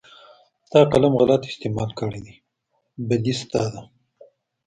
تا قلم غلط استعمال کړى دى بدي ستا ده.